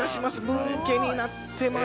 ブーケになってます。